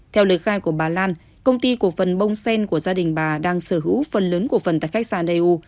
theo lời khai của bà lan công ty cổ phần bông sen của gia đình bà đang sở hữu phần lớn cổ phần tại khách sạn eu